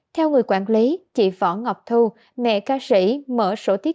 theo người quản lý chị võ ngọc thu mẹ ca sĩ mở sổ tiết